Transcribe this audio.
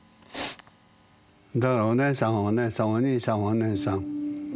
だからお姉さんはお姉さんお兄さんはお兄さん。